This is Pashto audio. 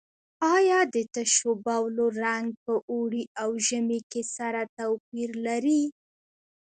آیا د تشو بولو رنګ په اوړي او ژمي کې سره توپیر لري؟